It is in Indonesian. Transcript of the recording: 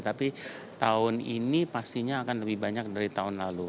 tapi tahun ini pastinya akan lebih banyak dari tahun lalu